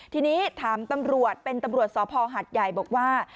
ทีนี้ถามตำรวจเป็นตำรวจสภหัดใหญ่บอกว่า